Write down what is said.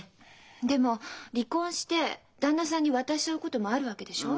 でも離婚して旦那さんに渡しちゃうこともあるわけでしょ？